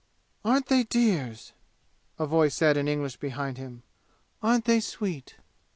"Aren't they dears?" a voice said in English behind him. "Aren't they sweet?"